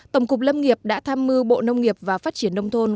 tổng cục lâm nghiệp đã tham mưu bộ nông nghiệp và phát triển nông thôn